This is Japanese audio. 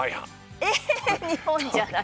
え、日本じゃない。